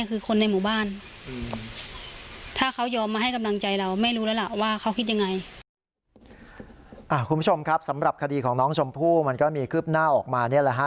คุณผู้ชมครับสำหรับคดีของน้องชมพู่มันก็มีคืบหน้าออกมานี่แหละฮะ